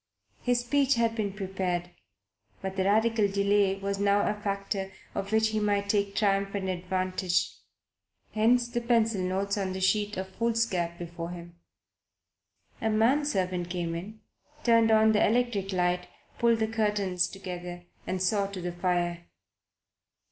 His speech had been prepared; but the Radical delay was a new factor of which he might take triumphant advantage. Hence the pencil notes on the sheet of foolscap, before him. A man servant came in, turned on the electric light, pulled the curtains together and saw to the fire.